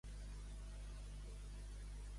Quina descripció fa Hár de la deessa Syn?